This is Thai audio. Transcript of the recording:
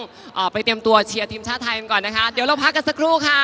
อ่าไปเตรียมตัวเชียร์ทีมชาติไทยกันก่อนนะคะเดี๋ยวเราพักกันสักครู่ค่ะ